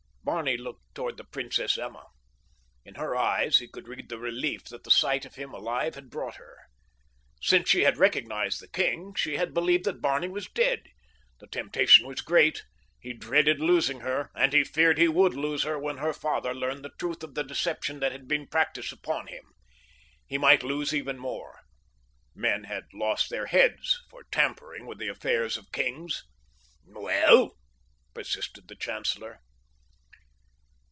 Barney looked toward the Princess Emma. In her eyes he could read the relief that the sight of him alive had brought her. Since she had recognized the king she had believed that Barney was dead. The temptation was great—he dreaded losing her, and he feared he would lose her when her father learned the truth of the deception that had been practiced upon him. He might lose even more—men had lost their heads for tampering with the affairs of kings. "Well?" persisted the chancellor.